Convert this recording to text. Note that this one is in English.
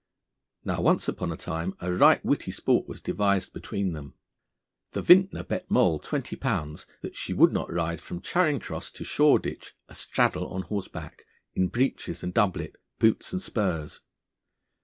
Now once upon a time a right witty sport was devised between them. The vintner bet Moll £20 that she would not ride from Charing Cross to Shoreditch astraddle on horseback, in breeches and doublet, boots and spurs.